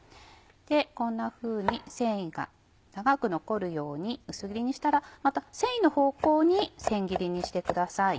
こんなふうに繊維が長く残るように薄切りにしたらまた繊維の方向に千切りにしてください。